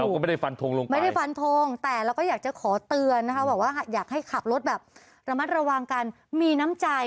ก็ไม่ได้ฟันทงลงไปไม่ได้ฟันทงแต่เราก็อยากจะขอเตือนนะคะบอกว่าอยากให้ขับรถแบบระมัดระวังกันมีน้ำใจ